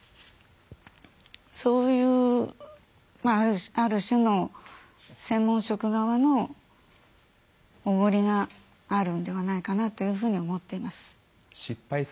そういう、ある種の専門職側のおごりがあるんではないかなというふうに思っています。